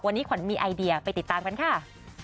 วันนี้ขวัญมีไอเดียไปติดตามกันค่ะ